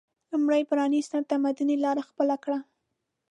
لومړی پرانیستي تمدني لاره خپله کړه